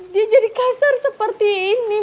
dia jadi kasar seperti ini